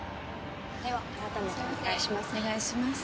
では改めてお願いします。